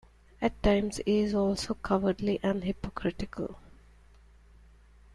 At times, he is also cowardly and hypocritical.